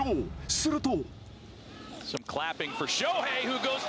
すると。